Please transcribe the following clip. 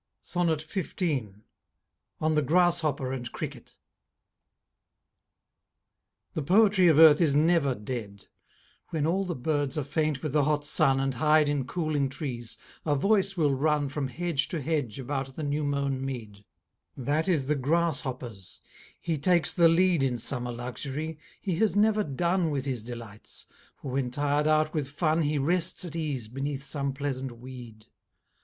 XV. On the Grasshopper and Cricket. The poetry of earth is never dead: When all the birds are faint with the hot sun, And hide in cooling trees, a voice will run From hedge to hedge about the new mown mead; That is the Grasshopper's he takes the lead In summer luxury, he has never done With his delights; for when tired out with fun He rests at ease beneath some pleasant weed.